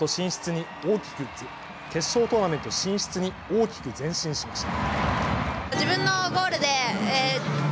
決勝トーナメント進出に大きく前進しました。